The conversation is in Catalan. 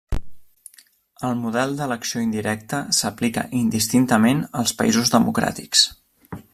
El model d'elecció indirecta s'aplica indistintament als països democràtics.